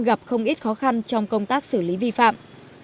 gặp không ít khó khăn trong công tác xử lý vi phạm